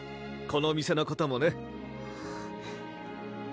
この店のこともね